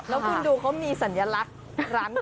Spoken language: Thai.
แล้วคุณดูเขามีสัญลักษณ์ร้าน